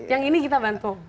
yang ini kita bantu